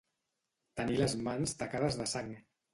Tenir les mans tacades de sang.